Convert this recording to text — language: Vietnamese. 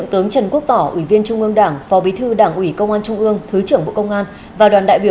trong nước và nguồn lực nước ngoài